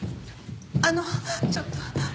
あのちょっと。